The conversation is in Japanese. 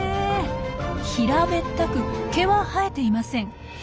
平べったく毛は生えていません。